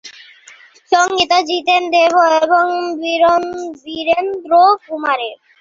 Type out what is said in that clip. সঙ্গীত জিতেন দেব এবং বীরেন্দ্র কুমারের।